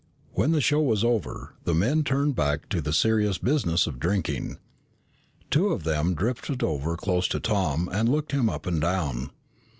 When the show was over, the men turned back to the serious business of drinking. Two of them drifted over close to Tom and looked him up and down.